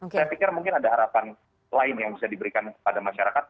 saya pikir mungkin ada harapan lain yang bisa diberikan kepada masyarakat